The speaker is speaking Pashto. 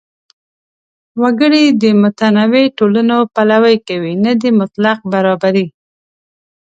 وګړي د متنوع ټولنو پلوي کوي، نه د مطلق برابرۍ.